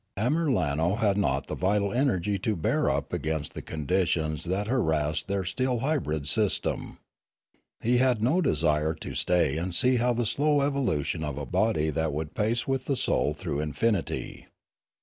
Amiralno had not the vital energy to bear tip against the conditions that harassed their still hybrid system. He had no desire to stay and see the slow evolution of a body that would pace with the soul through infinity.